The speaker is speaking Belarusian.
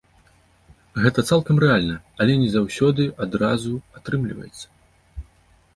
Гэта цалкам рэальна, але не заўсёды адразу атрымліваецца.